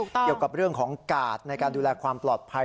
เกี่ยวกับเรื่องของกาดในการดูแลความปลอดภัย